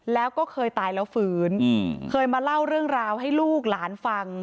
แล้วก็เคยตายแล้วฟื้นเคยมาเล่าเรื่องราวให้ลูกหลานฟัง